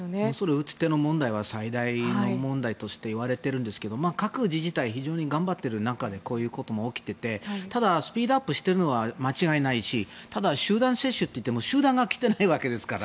打つ手の問題は最大の問題としていわれているんですが各自治体非常に頑張っている中でこういうことも起きていてただスピードアップしているのは間違いないしただ集団接種といっても集団が来ていないわけですから。